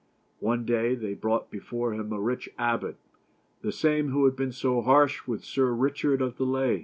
One day they brought before him a rich abbot, the same who had been so harsh with Sir Richard of the Lea.